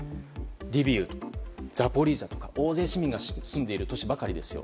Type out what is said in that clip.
リビウとかザポリージャとか大勢市民が住んでいるところばかりです。